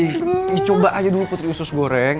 eyyy coba aja dulu putri susgoreng